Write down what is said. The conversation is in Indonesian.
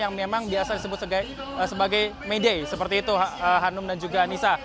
yang memang biasa disebut sebagai may day seperti itu hanum dan juga anissa